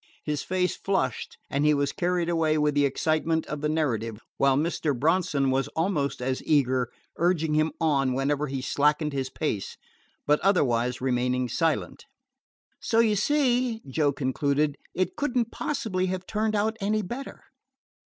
His face flushed and he was carried away with the excitement of the narrative, while Mr. Bronson was almost as eager, urging him on whenever he slackened his pace, but otherwise remaining silent. "So you see," Joe concluded, "it could n't possibly have turned out any better."